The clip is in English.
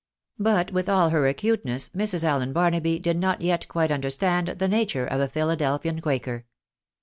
But with all her acuteness, Mrs. Allen Barnaby did not yet quite understand the nature of a Philadelphian quaker.